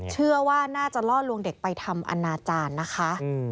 เชื่อว่าน่าจะล่อลวงเด็กไปทำอนาจารย์นะคะ